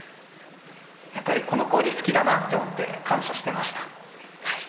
やっぱりこの氷、好きだなと思って感謝していました。